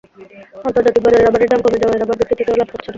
আন্তর্জাতিক বাজারে রাবারের দাম কমে যাওয়ায় রাবার বিক্রি থেকে লাভও হচ্ছে না।